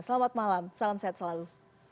selamat malam salam sehat selalu